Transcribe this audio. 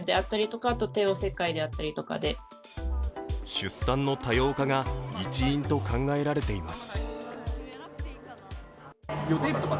出産の多様化が一因と考えられています。